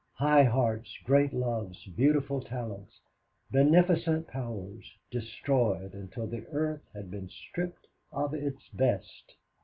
High hearts, great loves, beautiful talents, beneficent powers, destroyed until the earth had been stripped of its best.